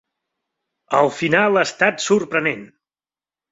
El final ha estat sorprenent.